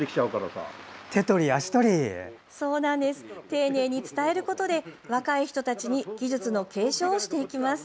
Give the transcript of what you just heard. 丁寧に伝えることで若い人たちに技術の継承をしていきます。